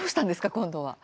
今度は。